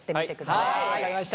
はい分かりました。